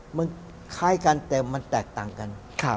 มันคล้ายกันแต่มันแตกต่างกัน